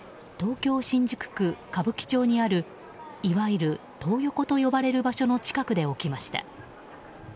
事件は先月東京・新宿区歌舞伎町にあるいわゆるトー横と呼ばれる場所の近くで起きました。